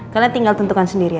kalian tinggal tentukan sendiri aja